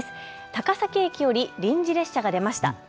高崎駅より臨時列車が出ました。